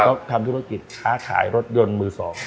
ก็ทำธุรกิจค้าขายรถยนต์มือ๒